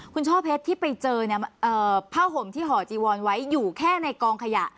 คุณช่อเพชรที่ไปเจอเนี่ยผ้าห่มที่ห่อจีวอนไว้อยู่แค่ในกองขยะ